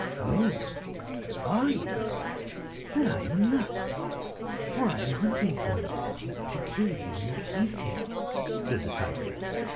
"Oh! Are you? Then I am in luck; for I am hunting for a man, to kill him and eat him," said the tiger.